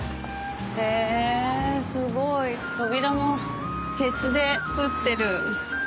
へぇすごい扉も鉄で造ってる。